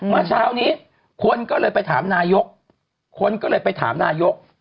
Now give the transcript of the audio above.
เมื่อเช้านี้คนก็เลยไปถามนายกคนก็เลยไปถามนายก